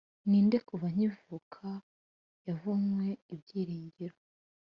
ninde kuva nkivuka yavumwe ibyiringiro.